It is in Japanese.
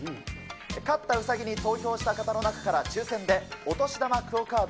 勝ったうさぎに投票した方の中から、抽せんでお年玉ＱＵＯカード